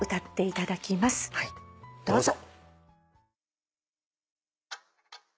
どうぞ。